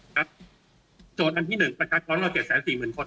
ครับโจทย์อันที่หนึ่งประชาชนเราเจ็ดแสนสี่หมื่นคน